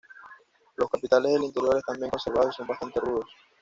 Los capiteles del interior están bien conservados y son bastante rudos.